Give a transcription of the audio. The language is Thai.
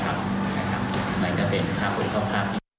ในประเด็นข้าวผู้ข้าวผิดรูป